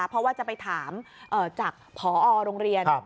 เพราะว่าจะไปถามจากพอโรงเรียน